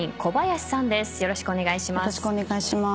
よろしくお願いします。